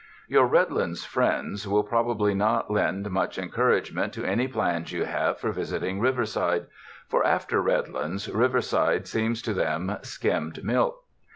Your Redlands friends will probably not lend much encouragement to any plans you have for vis iting Riverside; for, after Redlands, Riverside seems to them skimmed milk.